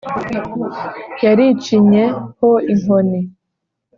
Yaricinye ho inkoni